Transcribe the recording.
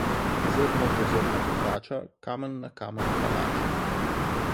Zrno do zrna pogača, kamen na kamen palača.